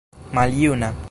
maljuna